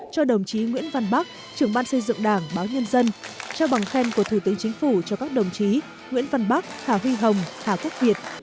cho đồng chí nguyễn văn bắc trưởng ban xây dựng đảng báo nhân dân trao bằng khen của thủ tướng chính phủ cho các đồng chí nguyễn văn bắc hà huy hồng hà quốc việt